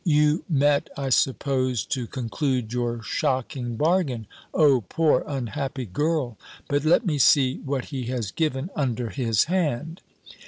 You met, I suppose, to conclude your shocking bargain. O poor unhappy girl! But let me see what he has given under his hand!"